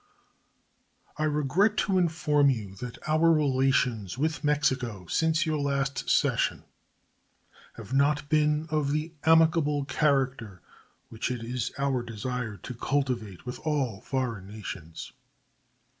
I regret to inform you that our relations with Mexico since your last session have not been of the amicable character which it is our desire to cultivate with all foreign nations.